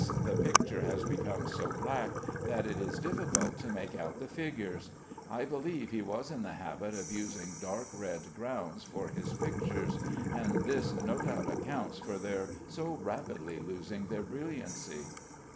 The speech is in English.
the picture has become so black that it is difficult to make out the figures. I believe he was in the habit of using dark red grounds for his pictures, and this no doubt accounts for their so rapidly losing their brilliancy.